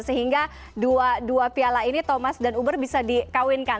sehingga dua piala ini thomas dan uber bisa dikawinkan